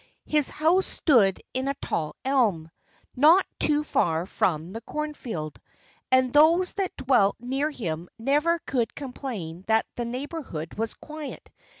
His house stood in a tall elm, not too far from the cornfield. And those that dwelt near him never could complain that the neighborhood was quiet....